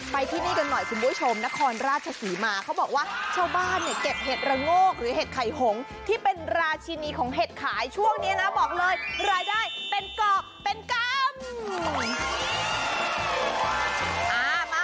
ไปที่นี่กันหน่อยคุณผู้ชมนครราชศรีมาเขาบอกว่าชาวบ้านเนี่ยเก็บเห็ดระโงกหรือเห็ดไข่หงที่เป็นราชินีของเห็ดขายช่วงนี้นะบอกเลยรายได้เป็นเกาะเป็นกรรม